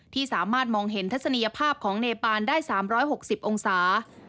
ที่สามารถมองเห็นทัศนียภาพของเนปานได้๓๖๐องศา